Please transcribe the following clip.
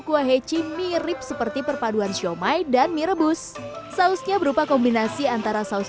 kuah heci mirip seperti perpaduan siomay dan mie rebus sausnya berupa kombinasi antara saus